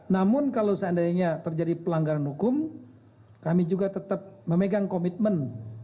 namun kalau seandainya terjadi pelanggaran hukum kami juga tetap memegang komitmen